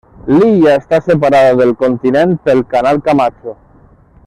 L'illa està separada del continent pel canal Camacho.